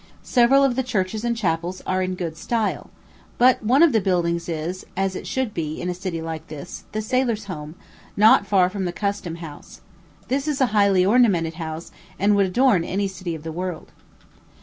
Several of the churches and chapels are in good style. But one of the best buildings is as it should be, in a city like this the Sailor's Home, not far from the Custom House. This is a highly ornamented house, and would adorn any city of the world.